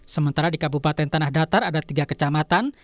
sementara di kabupaten tanah datar ada tiga kecamatan